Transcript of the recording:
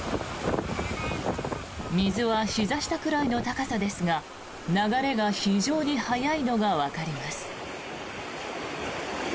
水はひざ下くらいの高さですが流れが非常に速いのがわかります。